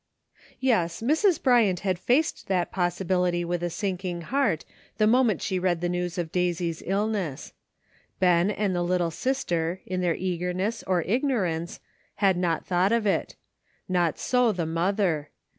"XT'ES, Mrs. Bryant had faced that possibility ^ with a sinking heart the moment she read the news of Daisy's illness. Ben and the little sister in their eagerness or ignorance, had not thought of it; not so the mother.